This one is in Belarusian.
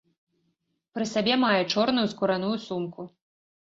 Пры сабе мае чорную скураную сумку.